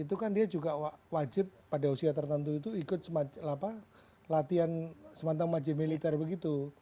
itu kan dia juga wajib pada usia tertentu itu ikut latihan semacam majemiliter begitu